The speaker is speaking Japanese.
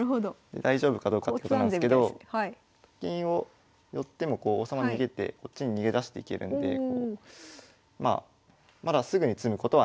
大丈夫かどうかってことなんですけどと金を寄っても王様逃げてこっちに逃げだしていけるんでまあまだすぐに詰むことはないと。